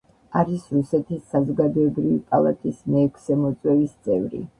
არის რუსეთის საზოგადოებრივი პალატის მეექვსე მოწვევის წევრი.